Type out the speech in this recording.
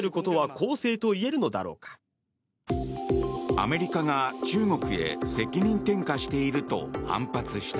アメリカが中国へ責任転嫁していると反発した。